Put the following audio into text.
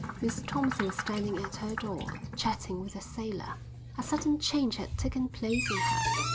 Miss Thompson was standing at her door, chatting with a sailor. A sudden change had taken place in her.